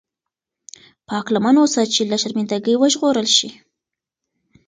پاک لمن اوسه چې له شرمنده ګۍ وژغورل شې.